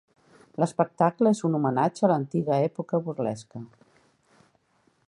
L'espectacle és un homenatge a l'antiga època burlesca.